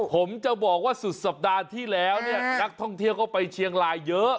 ผมจะบอกว่าสุดสัปดาห์ที่แล้วเนี่ยนักท่องเที่ยวก็ไปเชียงรายเยอะ